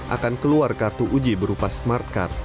akan keluar kartu uji berupa smartcard